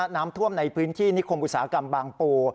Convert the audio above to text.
น้ำท่วมในพื้นที่นิคมอุตสาหกรรมบางปู